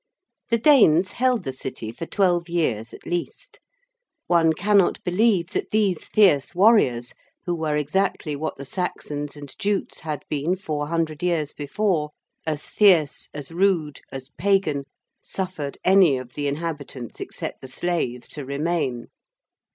The Danes held the City for twelve years at least. One cannot believe that these fierce warriors, who were exactly what the Saxons and Jutes had been four hundred years before as fierce, as rude, as pagan suffered any of the inhabitants, except the slaves, to remain.